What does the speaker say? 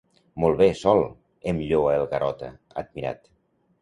Molt bé, Sol! —em lloa el Garota, admirat.